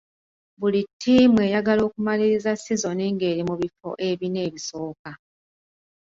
Buli ttiimu eyagala okumaliriza sizoni ng'eri mu bifo ebina ebisooka.